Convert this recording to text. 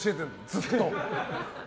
ずっと。